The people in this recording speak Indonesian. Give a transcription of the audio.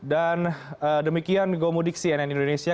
dan demikian gomudik cnn indonesia